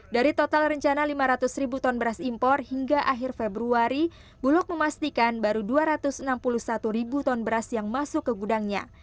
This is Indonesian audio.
dari total rencana lima ratus ribu ton beras impor hingga akhir februari bulog memastikan baru dua ratus enam puluh satu ribu ton beras yang masuk ke gudangnya